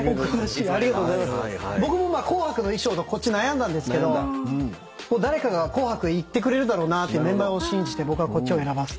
僕もまあ『紅白』の衣装とこっち悩んだんですけど誰かが『紅白』言ってくれるだろうなってメンバーを信じて僕はこっちを選ばせて。